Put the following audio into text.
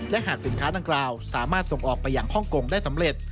และหากสินค้าดังกล่าวสามารถส่งออกไปอย่างฮ่องกงได้สำเร็จ